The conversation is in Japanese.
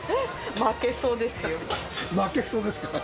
負けそうですか。